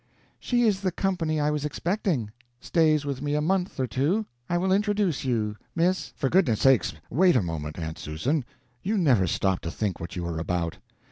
"She is the company I was expecting. Stays with me a month or two. I will introduce you. Miss " "For goodness' sake, wait a moment, Aunt Susan! You never stop to think what you are about!"